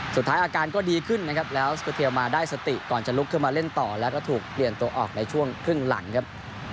สุดท้ายอาการก็ดีขึ้นนะครับแล้วสกุเทียลมาได้สติก่อนจะลุกขึ้นมาเล่นต่อแล้วก็ถูกเปลี่ยนตัวออกในช่วงครึ่งหลังครับ